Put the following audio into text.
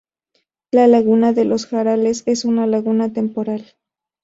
La laguna de los Jarales es una laguna temporal.